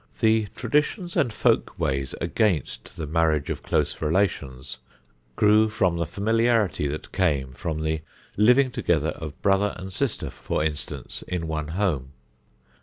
The traditions and folk ways against the marriage of close relations grew from the familiarity that came from the living together of brother and sister, for instance, in one home.